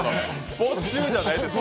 没収じゃないです。